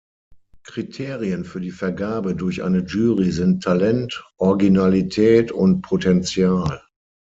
Kriterien für die Vergabe durch eine Jury sind Talent, Originalität und Potential.